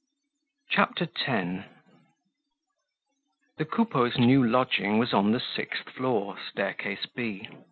CHAPTER X The Coupeaus' new lodging was on the sixth floor, staircase B.